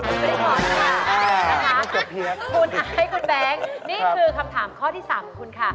ไม่ได้ก่อนค่ะนะคะคุณไอคุณแบงค์นี่คือคำถามข้อที่๓ของคุณค่ะ